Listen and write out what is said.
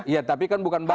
ya tapi kan bukan baru